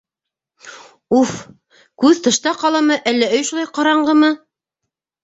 Уф, күҙ тышта ҡаламы, әллә өй шулай ҡараңғымы?